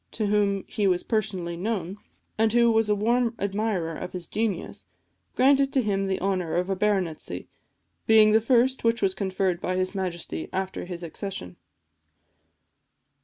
to whom he was personally known, and who was a warm admirer of his genius, granted to him the honour of a baronetcy, being the first which was conferred by his Majesty after his accession.